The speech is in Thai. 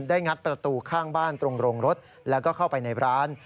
งัดประตูข้างบ้านตรงโรงรถแล้วก็เข้าไปในร้าน